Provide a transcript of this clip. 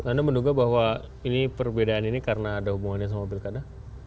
anda menduga bahwa ini perbedaan ini karena ada hubungannya sama pilkada